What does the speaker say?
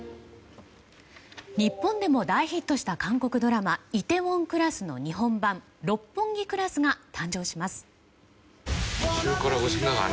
日本でも大ヒットした韓国ドラマ「梨泰院クラス」の日本版「六本木クラス」が誕生します。